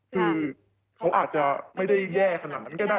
คือเขาอาจจะไม่ได้แย่ขนาดนั้นก็ได้